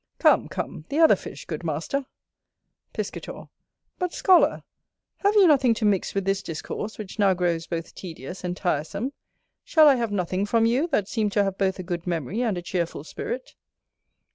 Come, come, the other fish, good master. Piscator. But, scholar, have you nothing to mix with this discourse, which now grows both tedious and tiresome? Shall I have nothing from you, that seem to have both a good memory and a cheerful spirit?